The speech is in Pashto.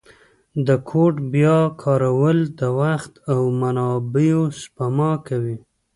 د کوډ بیا کارول د وخت او منابعو سپما کوي.